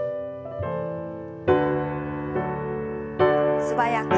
素早く。